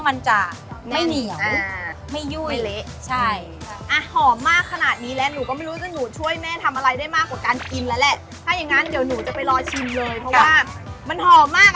ถ้าอย่างงั้นเดี๋ยวหนูจะไปรอชิมเลยเพราะว่ามันหอมมากอะแม่เอาจะไม่ไหว